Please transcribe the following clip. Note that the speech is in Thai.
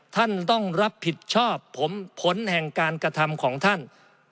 ท่านต้องรับผิดชอบผลแห่งการกระทำของท่าน